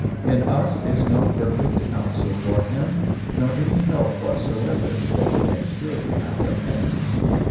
In us is no perfect counsel for him nor any help whatsoever that he may surely apprehend.